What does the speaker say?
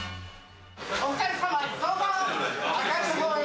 お２人様どうぞ。